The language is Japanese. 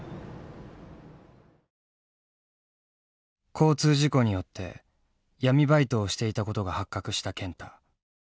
交通事故によって闇バイトをしていたことが発覚した健太。